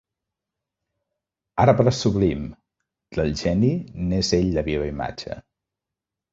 Arbre sublim! Del geni n'és ell la viva imatge.